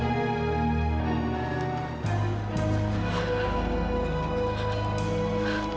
endorse supaya selain di daerah